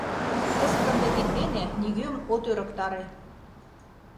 Кызыт ынде тиддене нигӧм от ӧрыктаре.